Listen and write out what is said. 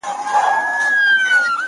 له ژرندي زه راځم، د مزد حال ئې ته لرې.